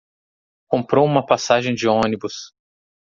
Comprou uma passagem de onibus